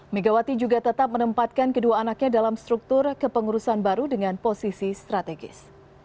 megawati juga tetap menempatkan kedua anaknya dalam struktur kepengurusan baru dengan posisi strategis